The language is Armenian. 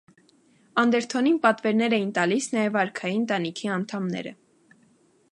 Անդերթոնին պատվերներ էին տալիս նաև արքայի ընտանիքի անդամները։